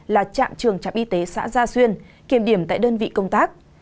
là trạm trường trạm y tế xã gia xuyên kiểm điểm tại đơn vị công tác